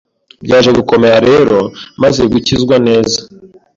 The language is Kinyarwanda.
byaje gukomera rero maze gukizwa neza